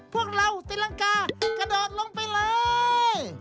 พวกเราตีรังกากระโดดลงไปเลย